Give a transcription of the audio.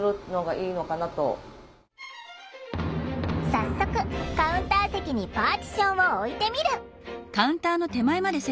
早速カウンター席にパーティションを置いてみる。